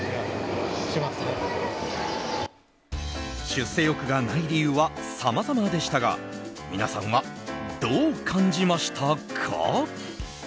出世欲がない理由はさまざまでしたが皆さんはどう感じましたか？